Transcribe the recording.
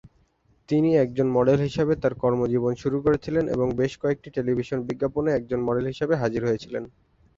তিনি একজন মডেল হিসাবে তাঁর কর্মজীবন শুরু করেছিলেন এবং বেশ কয়েকটি টেলিভিশন বিজ্ঞাপনে একজন মডেল হিসেবে হাজির হয়েছিলেন।